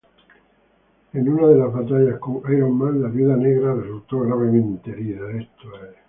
En una de sus batallas con Iron Man, la Viuda Negra resultó gravemente herida.